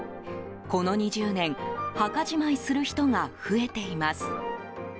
この２０年、墓じまいする人が増えています。